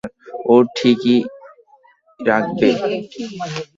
ও ঠিকই রাখবে।